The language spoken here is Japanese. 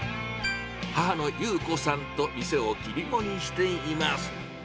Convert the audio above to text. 母の優子さんと店を切り盛りしています。